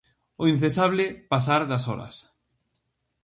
O incesable pasar das horas.